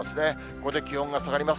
ここで気温が下がります。